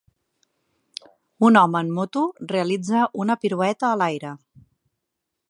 Un home en moto realitza un pirueta a l'aire.